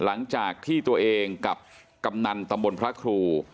หลังจากที่ตัวเองกับกำนันตำบลพระครู